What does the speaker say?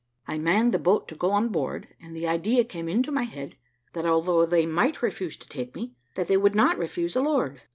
"I manned the boat to go on board, and the idea came into my head, that although they might refuse to take me, that they would not refuse a lord.